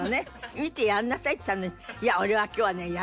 「見てやりなさい」って言ったのに「いや俺は今日はねやるんだ」。